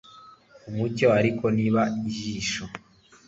umucyo ariko niba ijisho